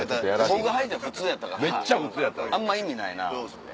僕はいたら普通やったからあんま意味ないなと思うて。